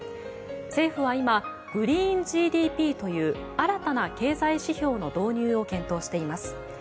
政府は今、グリーンＧＤＰという新たな経済指標の導入を検討しています。